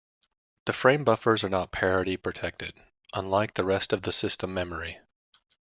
The frame buffers are not parity-protected, unlike the rest of the system memory.